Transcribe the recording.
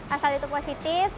asal itu positif